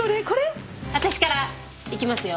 私からいきますよ。